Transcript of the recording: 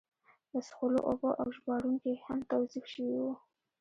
د څښلو اوبه او ژباړونکي هم توظیف شوي وو.